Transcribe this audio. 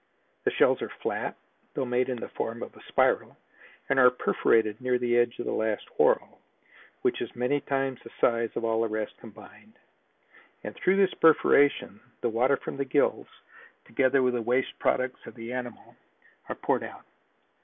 The shells are flat, though made in the form of a spiral and are perforated near the edge of the last whorl, which is many times the size of all the rest combined, and through this perforation the water from the gills, together with the waste products of the animal, are poured out.